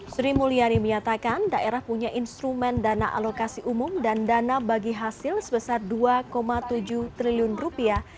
sri mulyani menyatakan daerah punya instrumen dana alokasi umum dan dana bagi hasil sebesar dua tujuh triliun rupiah